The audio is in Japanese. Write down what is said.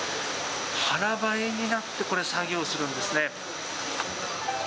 腹ばいになってこれ、作業するんですね。